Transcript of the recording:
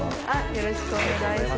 よろしくお願いします。